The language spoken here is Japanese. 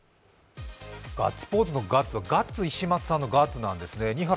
ガッツポーズのガッツはガッツ石松さんのガッツだったんですね。